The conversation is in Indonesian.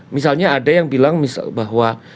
misalnya ada yang bilang bahwa